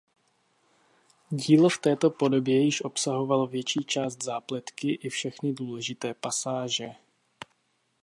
Dílo v této podobě již obsahovalo větší část zápletky i všechny důležité pasáže.